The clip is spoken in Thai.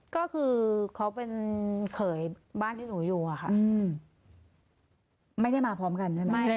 ก็คือเขาเป็นเขยบ้านที่หนูอยู่อะค่ะไม่ได้มาพร้อมกันใช่ไหม